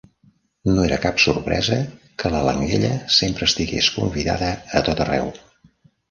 No era cap sorpresa que la Langella sempre estigués convidada a tot arreu.